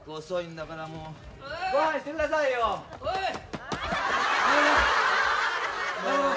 遅いんだからもう。